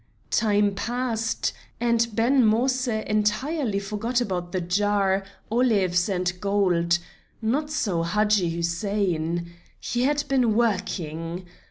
Time passed, and Ben Moïse entirely forgot about the jar, olives, and gold; not so Hadji Hussein. He had been working.